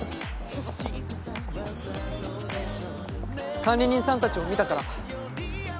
管理人さんたちを見たから。